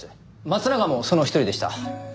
松永もその一人でした。